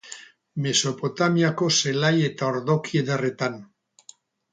Mesopotamiako zelai eta ordoki ederretan.